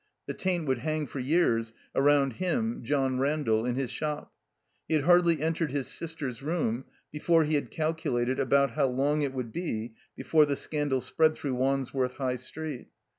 The taint would hang for years around him, John Randall, in his shop. He had hardly entered his sister's room before he had calculated about how long it would be before the scandal spread through Wandsworth High Street.